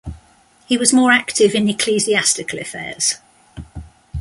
He was more active in ecclesiastical affairs.